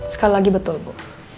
sekali lagi betul bu